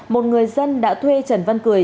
một người dân đã thuê trần văn cười